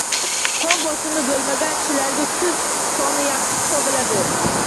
Qon bosimi bo‘lmagan kishilarga tuz koni yaxshi shifo bo‘ladi.